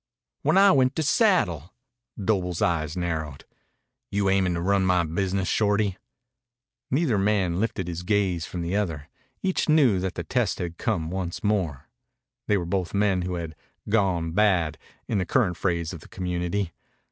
"When I went to saddle." Doble's eyes narrowed. "You aimin' to run my business, Shorty?" Neither man lifted his gaze from the other. Each knew that the test had come once more. They were both men who had "gone bad," in the current phrase of the community.